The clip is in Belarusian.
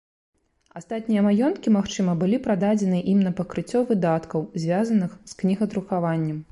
Астатнія маёнткі, магчыма, былі прададзены ім на пакрыццё выдаткаў, звязаных з кнігадрукаваннем.